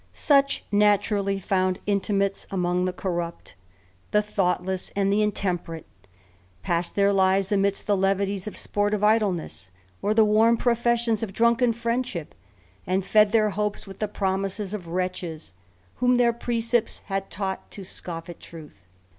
Such naturally found intimates among the corrupt, the ^Such natui 114 ^^^ RAMBLER. thoughtless, and the intemperate ; passed their lives amidst the levities of sportive idleness, or the warm professions of drunken friendship; and fed their hopes with the promises of wretches, whom their precepts had taught to scoff at truth.